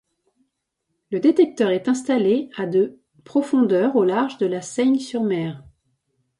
Le détecteur est installé à de profondeur au large de La Seyne-sur-Mer.